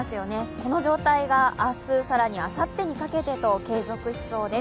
この状態が明日、更にあさってにかけて継続しそうです。